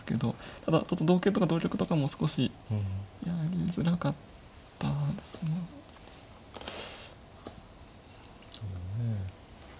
ただ同桂とか同玉とかも少しやりづらかったですね。